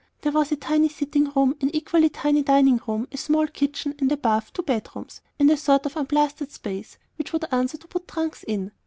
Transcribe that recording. There was a tiny sitting room, an equally tiny dining room, a small kitchen, and above, two bedrooms and a sort of unplastered space, which would answer to put trunks in.